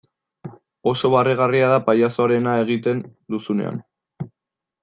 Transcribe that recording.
Oso barregarria da pailazoarena egiten duzunean.